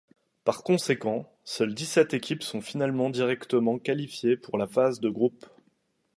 Par conséquent, seules dix-sept équipes sont finalement directement qualifiées pour la phase de groupe.